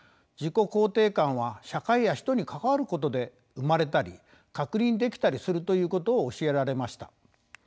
自己肯定感は社会や人に関わることで生まれたり確認できたりするということを教えられました。